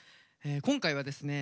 今回はですね